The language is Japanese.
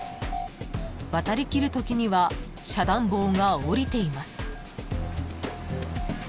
［渡りきるときには遮断棒が下りています］